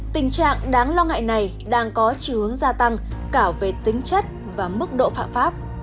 tình trạng đáng lo ngại này đang có chiều hướng gia tăng cả về tính chất và mức độ phạm pháp